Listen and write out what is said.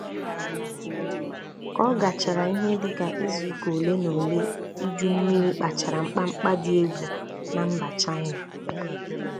Ka ọ gachaara ihe dịka izuụka olenaole ijummiri kpachara mkpamkpa dị égwù na mba China